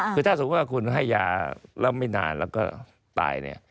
คือถ้าสมมุติว่าคุณให้ยาแล้วไม่นานแล้วก็ตายเนี่ย